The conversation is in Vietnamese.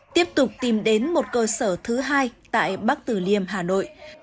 tiếp tục tìm đến một cơ sở thứ hai tại bắc tử liêm hà nội